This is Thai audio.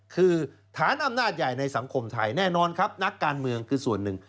คือฐานอำนาจใหญ่ในสังคมไทยแน่นอนครับนักการเมืองคือส่วนหนึ่ง